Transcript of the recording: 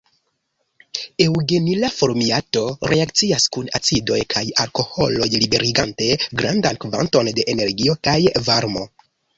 Eŭgenila formiato reakcias kun acidoj kaj alkoholoj liberigante grandan kvanton da energio kaj varmo.